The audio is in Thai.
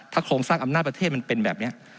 โครงสร้างอำนาจประเทศมันเป็นแบบนี้